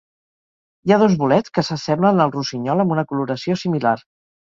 Hi ha dos bolets que s'assemblen al rossinyol amb una coloració similar.